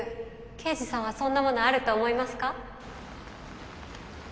刑事さんはそんなものあると思いますか？